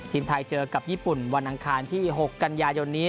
ทีมไทยเจอกับญี่ปุ่นวันอังคารที่๖กันยายนนี้